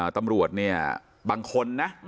ตำรวจบางคนนะ